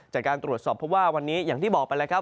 จากการตรวจสอบเพราะว่าวันนี้อย่างที่บอกไปแล้วครับ